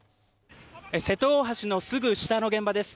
瀬戸大橋のすぐ下の現場です。